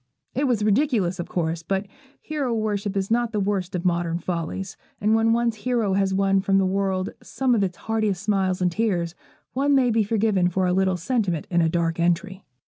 It was ridiculous, of course; but hero worship is not the worst of modern follies, and when one's hero has won from the world some of its heartiest smiles and tears, one may be forgiven for a little sentiment in a dark entry.